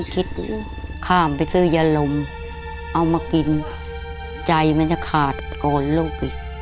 คิดข้ามไปซื้อยาลมเอามากินใจมันจะขาดก่อนลูกอีก